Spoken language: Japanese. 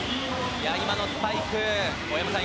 今のスパイク、大山さん